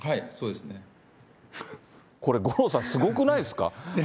これ、五郎さん、すごくないですか。